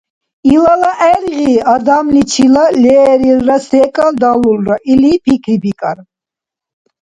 Илала гӀергъи адамличила лерилра секӀал далулра или пикрибикӀар.